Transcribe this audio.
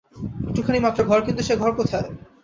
একটুখানি মাত্র ঘর–কিন্তু সে ঘর কোথায়!